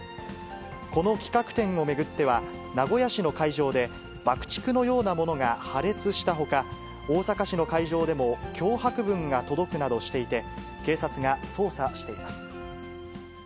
この企画展を巡っては、名古屋市の会場で爆竹のようなものが破裂したほか、大阪市の会場でも脅迫文が届くなどしていて、警察が捜査しています。